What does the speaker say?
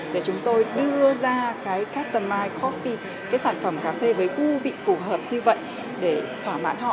để chúng tôi đưa ra cái customized coffee cái sản phẩm cà phê với ưu vị phù hợp như vậy để thỏa mãn họ